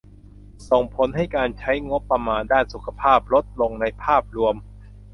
ส่งผลให้การใช้งบประมาณด้านสุขภาพลดลงในภาพรวม